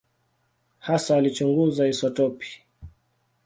Hasa alichunguza isotopi.